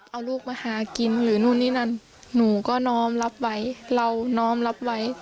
เอาลูกมาหากินหรือนู่นนี่นั่นหนูก็น้อมรับไว้เราน้อมรับไว้